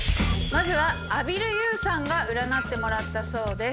まずはあびる優さんが占ってもらったそうです。